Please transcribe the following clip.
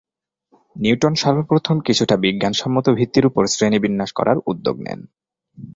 Newton সর্বপ্রথম কিছুটা বিজ্ঞানসম্মত ভিত্তির উপর শ্রেণীবিন্যাস করার উদ্যোগ নেন।